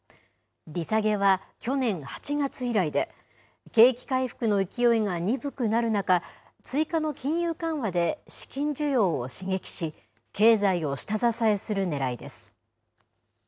利下げは去年８月以来で、景気回復の勢いが鈍くなる中、追加の金融緩和で資金需要を刺激し、経済を下支えするねらいです。